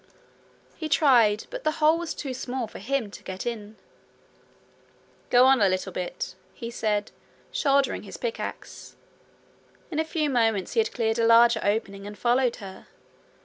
He tried, but the hole was too small for him to get in. 'Go on a little bit he said, shouldering his pickaxe. In a few moments he had cleared a larger opening and followed her.